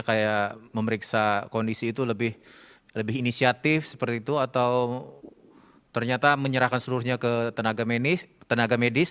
kayak memeriksa kondisi itu lebih inisiatif seperti itu atau ternyata menyerahkan seluruhnya ke tenaga medis